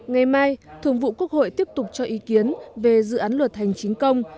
ngày mai thường vụ quốc hội tiếp tục cho ý kiến về dự án luật hành chính công